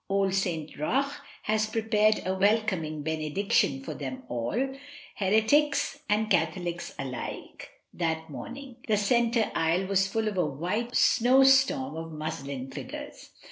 Old St Roch had prepared a welcoming benediction for them all, heretics and Catholics alike, that morning. The centre aisle was full of a white snowstorm of muslin figures.